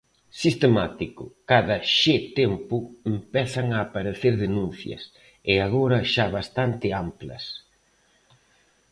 Sistemático: cada xe tempo empezan a aparecer denuncias, e agora xa bastante amplas.